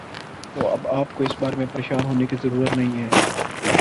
تو اب آ پ کو اس بارے میں پریشان ہونے کی ضرورت نہیں ہے